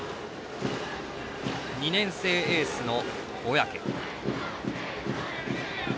２年生エースの小宅。